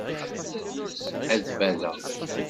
Ad ffadeɣ.